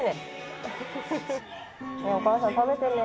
お母さん食べてね。